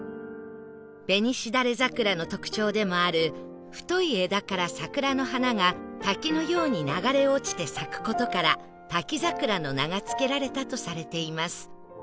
ベニシダレザクラの特徴でもある太い枝から桜の花が滝のように流れ落ちて咲く事から「滝桜」の名が付けられたとされています